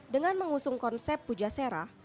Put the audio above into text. dengan mengusung konsep puja sera